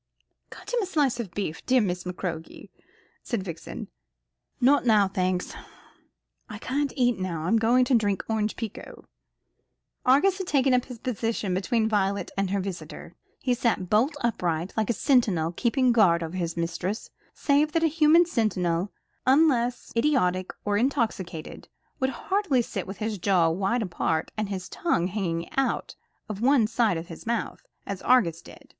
"Cut him a slice of beef, dear Miss McCroke," said Vixen. "Not now, thanks; I can't eat now. I'm going to drink orange pekoe." Argus had taken up his position between Violet and her visitor. He sat bolt upright, like a sentinel keeping guard over his mistress; save that a human sentinel, unless idiotic or intoxicated, would hardly sit with jaws wide apart, and his tongue hanging out of one side of his mouth, as Argus did.